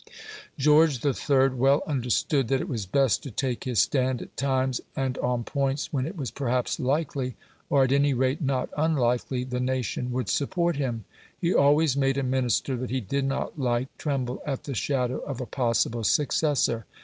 George III. well understood that it was best to take his stand at times and on points when it was perhaps likely, or at any rate not unlikely, the nation would support him. He always made a Minister that he did not like tremble at the shadow of a possible successor.